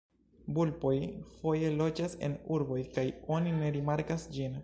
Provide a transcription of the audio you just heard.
Vulpoj foje loĝas en urboj kaj oni ne rimarkas ĝin.